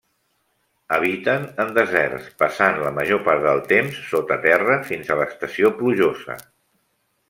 Habiten en deserts, passant la major part del temps sota terra fins a l'estació plujosa.